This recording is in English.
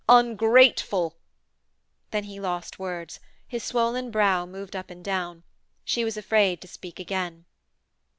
Ungrateful!' Then he lost words; his swollen brow moved up and down. She was afraid to speak again.